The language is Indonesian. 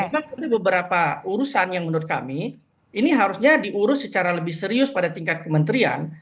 memang ada beberapa urusan yang menurut kami ini harusnya diurus secara lebih serius pada tingkat kementerian